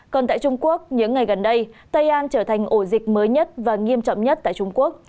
còn tại trung quốc những ngày gần đây tây an trở thành ổ dịch mới nhất và nghiêm trọng nhất tại trung quốc